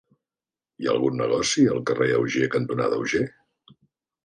Hi ha algun negoci al carrer Auger cantonada Auger?